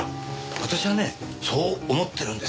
私はねそう思ってるんですよ。